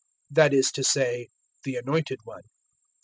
that is to say, the Anointed One.